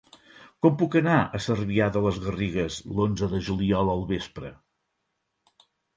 Com puc anar a Cervià de les Garrigues l'onze de juliol al vespre?